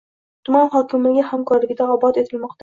Tuman hokimligi hamkorligida obod etilmoqda.